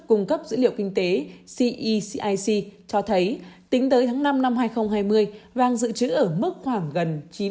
cung cấp dữ liệu kinh tế cecic cho thấy tính tới tháng năm năm hai nghìn hai mươi vàng dự trữ ở mức khoảng gần chín